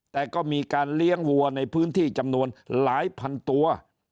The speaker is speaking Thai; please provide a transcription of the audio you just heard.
แต่ก็มีการเลี้ยงวัวในพื้นที่จำนวนหลายพันตัว